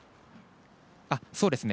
そうですね。